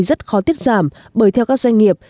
rất khó tiết giảm bởi theo các doanh nghiệp